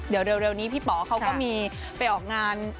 เดี๋ยวเร็วนี้พี่ป๋อเขาก็มีไปออกงาน